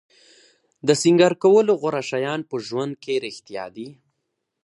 د سینګار کولو غوره شیان په ژوند کې رښتیا دي.